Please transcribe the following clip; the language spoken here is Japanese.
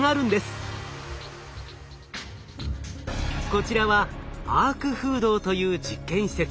こちらはアーク風洞という実験施設。